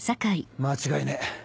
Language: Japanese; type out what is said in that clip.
間違いねえ。